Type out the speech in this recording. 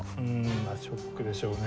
まあショックでしょうね。